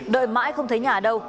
đợi mãi không thấy nhà đâu